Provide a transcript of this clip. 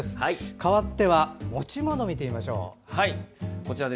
かわっては持ち物見てみましょう。